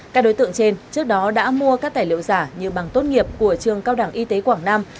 các đối tượng trên trước đó đã mua các tài liệu giả như bằng tốt nghiệp của trường cao đẳng y tế quảng nam